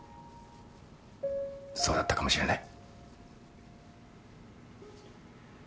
そうだったかもしれない。